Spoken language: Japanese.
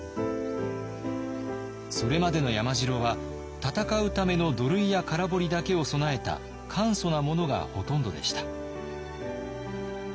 それまでの山城は戦うための土塁や空堀だけを備えた簡素なものがほとんどでした。